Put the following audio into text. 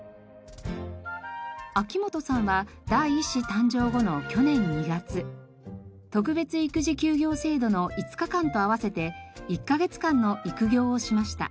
秋元さんは第１子誕生後の去年２月特別育児休業制度の５日間と合わせて１カ月間の育業をしました。